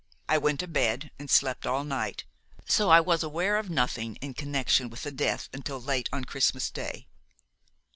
I went to bed and slept all night, so I was aware of nothing in connection with the death until late on Christmas Day.